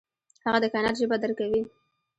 هغه د کائنات ژبه درک کوي.